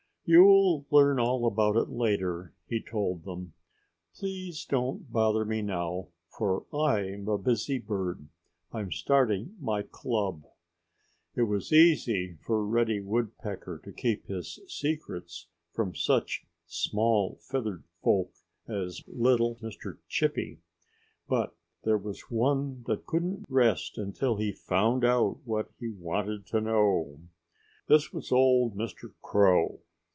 "You'll learn all about it later," he told them. "Please don't bother me now, for I'm a busy bird. I'm starting my club." It was easy for Reddy Woodpecker to keep his secrets from such small feathered folk as little Mr. Chippy. But there was one that couldn't rest until he found out what he wanted to know. This was old Mr. Crow.